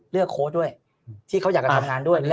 เลือกโครชน์ด้วยที่เขาอยากการทำงานด้วย